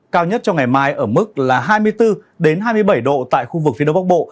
cao nhất trong ngày mai ở mức là hai mươi bốn hai mươi bảy độ tại khu vực phía đông bắc bộ